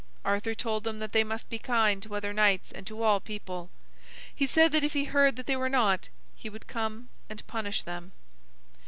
Arthur told them that they must be kind to other knights and to all people. He said that if he heard that they were not, he would come and punish them.